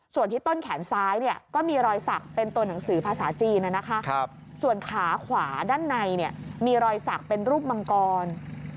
ส่วนที่ต้นแขนซ้ายก็มีรอยสักเป็นตัวหนังสือภาษาจีนส่วนขาขวาด้านในมีรอยสักเป็นรูปมังกร